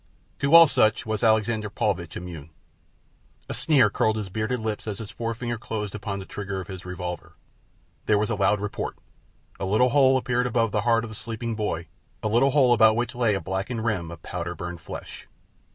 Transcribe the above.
To all such was Alexander Paulvitch immune. A sneer curled his bearded lip as his forefinger closed upon the trigger of his revolver. There was a loud report. A little hole appeared above the heart of the sleeping boy, a little hole about which lay a blackened rim of powder burned flesh.